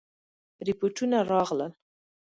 رپوټونه راغلل.